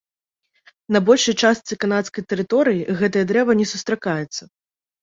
На большай частцы канадскай тэрыторый гэтае дрэва не сустракаецца.